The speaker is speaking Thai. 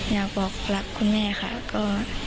อยากบอกรักคุณแม่ค่ะก็